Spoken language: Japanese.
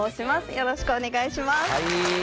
よろしくお願いします。